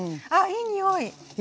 いいにおい。